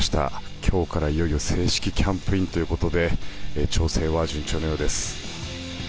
今日からいよいよ正式キャンプインということで調整は順調のようです。